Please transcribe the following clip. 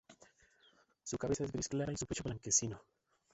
Su cabeza es gris clara y su pecho blanquecino.